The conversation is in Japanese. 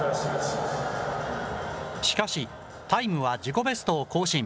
しかし、タイムは自己ベストを更新。